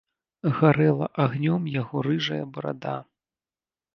Гарэла агнём яго рыжая барада.